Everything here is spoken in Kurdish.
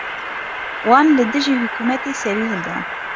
Wan li dijî hikûmetê serî hildan.